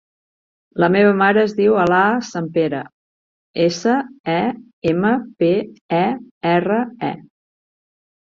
La meva mare es diu Alaa Sempere: essa, e, ema, pe, e, erra, e.